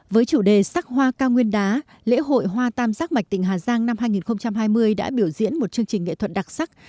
với chủ đề sắc hoa cao nguyên đá lễ hội hoa tam sắc mạch tỉnh hà giang năm hai nghìn hai mươi đã biểu diễn một chương trình nghệ thuật đặc sắc